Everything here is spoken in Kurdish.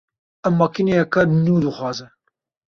Ew makîneyeka nû dixwaze